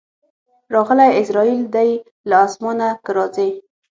راغلی عزراییل دی له اسمانه که راځې